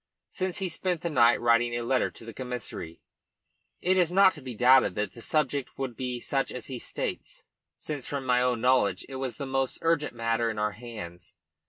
Since he spent the night writing a letter to the Commissary, it is not to be doubted that the subject would be such as he states, since from my own knowledge it was the most urgent matter in our hands.